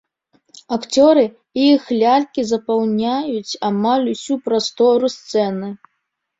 Акцёры і іх лялькі запаўняюць амаль усю прастору сцэны.